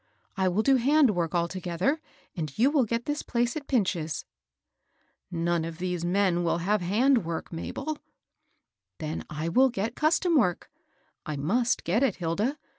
I will do hand work altogether, and you will get this place at Pinch's." " None of these men will have hand work, Mabel." " Then I will get custom work ;— I muBt get it^ Hilda.